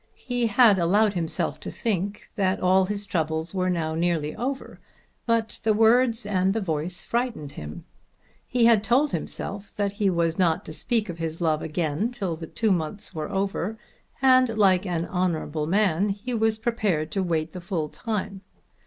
He had allowed himself to think that all his troubles were now nearly over, but the words and the voice frightened him. He had told himself that he was not to speak of his love again till the two months were over, and like an honourable man he was prepared to wait the full time.